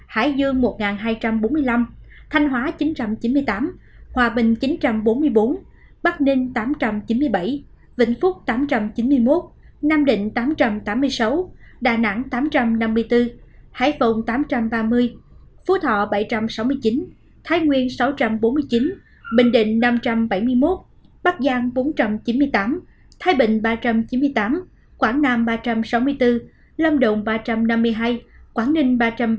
hải dương một hai trăm bốn mươi năm thanh hóa chín trăm chín mươi tám hòa bình chín trăm bốn mươi bốn bắc ninh tám trăm chín mươi bảy vĩnh phúc tám trăm chín mươi một nam định tám trăm tám mươi sáu đà nẵng tám trăm năm mươi bốn hải phùng tám trăm ba mươi phú thọ bảy trăm sáu mươi chín thái nguyên sáu trăm bốn mươi chín bình định năm trăm bảy mươi một bắc giang bốn trăm chín mươi tám thái bình ba trăm chín mươi tám quảng nam ba trăm sáu mươi bốn lâm đồng ba trăm năm mươi hai quảng ninh ba trăm ba mươi sáu